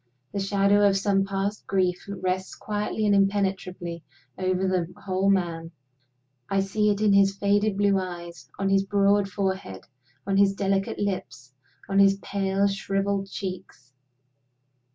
The shadow of some past grief rests quietly and impenetrably over the whole man; I see it in his faded blue eyes, on his broad forehead, on his delicate lips, on his pale shriveled cheeks.